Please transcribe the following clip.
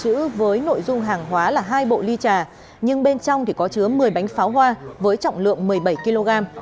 chữ với nội dung hàng hóa là hai bộ ly trà nhưng bên trong có chứa một mươi bánh pháo hoa với trọng lượng một mươi bảy kg